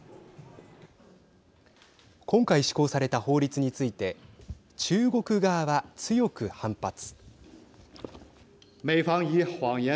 今回施行された法律について中国側は強く反発。